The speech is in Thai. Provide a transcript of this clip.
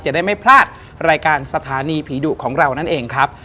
จะได้ไม่พลาดรายการสถานีผีดุของเรานั่นเองครับ